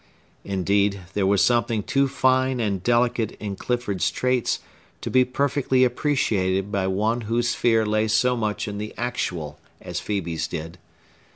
Indeed, there was something too fine and delicate in Clifford's traits to be perfectly appreciated by one whose sphere lay so much in the Actual as Phœbe's did.